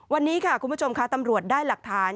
วันนี้ค่ะคุณผู้ชมค่ะตำรวจได้หลักฐาน